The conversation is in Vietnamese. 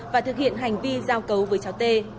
và thực hiện hành vi giao cấu với cháu tê